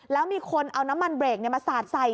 แล้วมีคนเอาน้ำมันเบรกมาสาดใส่